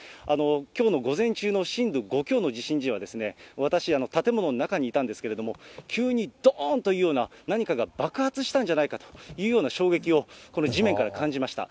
きょうの午前中の震度５強の地震時は、私、建物の中にいたんですけれども、急にどーんというような、何かが爆発したんじゃないかというような衝撃を、この地面から感じました。